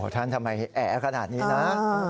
ท่านทำไมแอ๋ขนาดนี้นะ